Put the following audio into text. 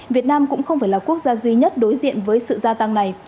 việt nam cũng không phải là quốc gia duy nhất đối diện với sự gia tăng này